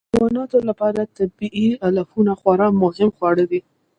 د حیواناتو لپاره طبیعي علفونه خورا مهم خواړه دي.